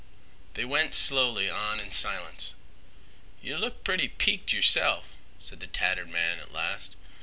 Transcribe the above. They went slowly on in silence. "Yeh look pretty peek'ed yerself," said the tattered man at last.